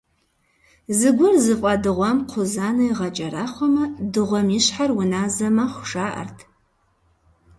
Зыгуэр зыфӏадыгъуам кхъузанэ игъэкӏэрахъуэмэ, дыгъуэм и щхьэр уназэ мэхъу, жаӏэрт.